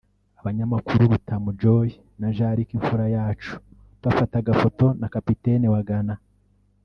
Abanyamakuru Rutamu Joe na Jean Luc Imfurayacu bafata agafoto na kapiteni wa Ghana